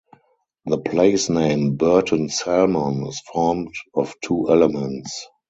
The place name "Burton Salmon" is formed of two elements.